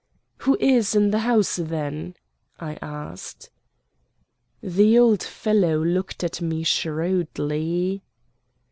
"Who is in the house, then?" I asked. The old fellow looked at me shrewdly.